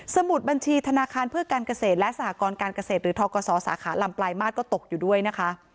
มุดบัญชีธนาคารเพื่อการเกษตรและสหกรการเกษตรหรือทกศสาขาลำปลายมาตรก็ตกอยู่ด้วยนะคะ